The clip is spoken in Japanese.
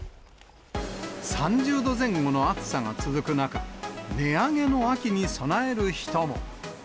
３０度前後の暑さが続く中、値上げの秋に備える人も。